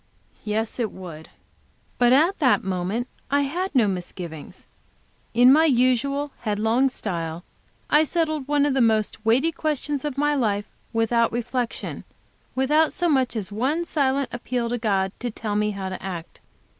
Yes, it would. But at the moment I had no misgivings. In my usual headlong style I settled one of the most weighty questions of my life, without reflection, without so much as one silent appeal to God, to tell me how to act.